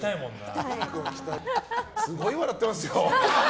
すごい笑ってますよ。